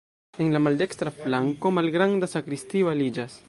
En la maldekstra flanko malgranda sakristio aliĝas.